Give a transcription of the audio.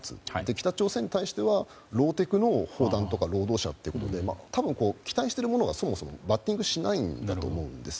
北朝鮮に対してはローテクの弾や労働者ということで多分、期待しているものがバッティングしないと思います。